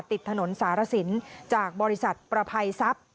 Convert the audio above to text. ติดถนนสารสินจากบริษัทประภัยทรัพย์